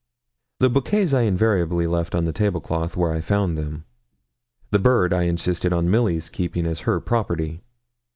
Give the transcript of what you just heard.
The bouquets I invariably left on the table cloth, where I found them the bird I insisted on Milly's keeping as her property.